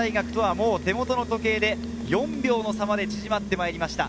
８位を走る福岡大学とはもう手元の時計で４秒の差まで縮まってまいりました。